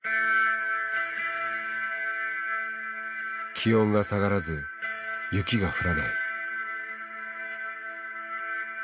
気温が下がらず雪が降らない。